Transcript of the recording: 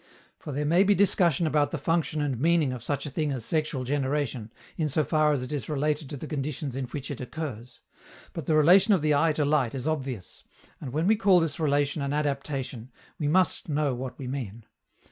For there may be discussion about the function and meaning of such a thing as sexual generation, in so far as it is related to the conditions in which it occurs; but the relation of the eye to light is obvious, and when we call this relation an adaptation, we must know what we mean.